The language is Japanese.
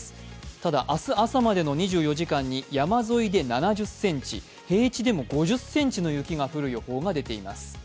ただ明日朝までの２４時間に山沿いで７０ｃｍ、平地でも５０ｃｍの雪が降る予報が出ています。